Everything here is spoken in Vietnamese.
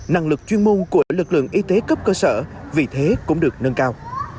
năng lực chuyên môn của lực lượng y tế cấp cơ sở vì thế cũng được nâng cao